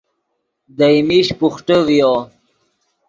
دئے میش بوخٹے ڤیو